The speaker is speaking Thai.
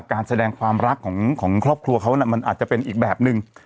การแสดงความรักของครอบครัวเขามันอาจจะเป็นอีกแบบนึง